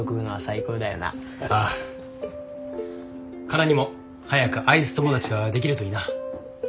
カナにも早くアイス友達ができるといいな。